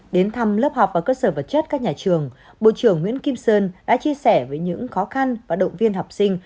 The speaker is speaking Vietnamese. đến thăm lớp học và cơ sở vật chất các nhà trường bộ trưởng nguyễn kim sơn đã chia sẻ với những khó khăn và động viên học sinh